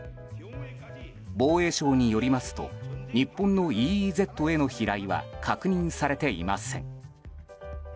防衛省によりますと日本のＥＥＺへの飛来は確認されていません。